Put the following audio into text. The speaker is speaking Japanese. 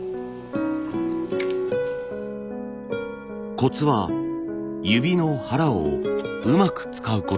コツは指の腹をうまく使うこと。